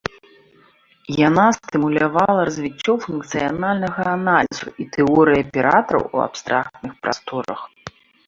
Яна стымулявала развіццё функцыянальнага аналізу і тэорыі аператараў у абстрактных прасторах.